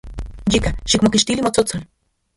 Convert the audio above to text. Yika, xikmokixtili motsotsol.